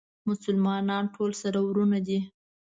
مسلمانان ټول سره وروڼه دي